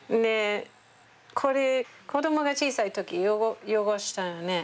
これ子供が小さい時汚したのね